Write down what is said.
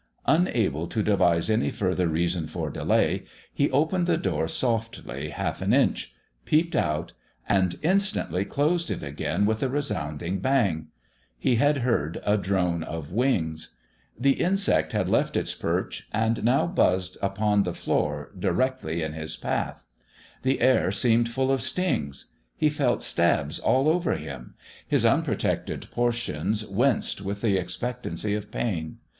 Unable to devise any further reason for delay, he opened the door softly half an inch peeped out and instantly closed it again with a resounding bang. He had heard a drone of wings. The insect had left its perch and now buzzed upon the floor directly in his path. The air seemed full of stings; he felt stabs all over him; his unprotected portions winced with the expectancy of pain.